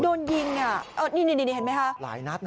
โดนยิงอ่ะนี่เห็นมั้ยฮะ